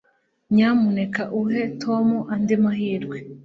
Nyamuneka uhe Tom andi mahirwe?